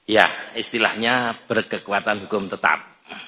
ya istilahnya berkekuatan hukum tetap